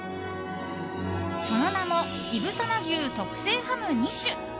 その名もいぶさな牛特製ハム２種。